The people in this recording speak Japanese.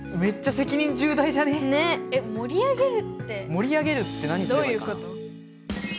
もり上げるって何すればいいかな？